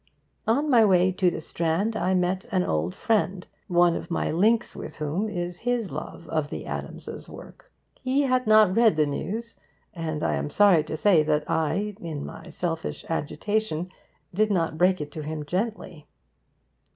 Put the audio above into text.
On my way to the Strand I met an old friend, one of my links with whom is his love of the Adams' work. He had not read the news, and I am sorry to say that I, in my selfish agitation, did not break it to him gently.